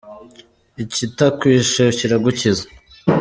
Ikitakwishe kiragukiza.